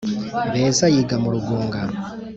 beza yiga mu rugunga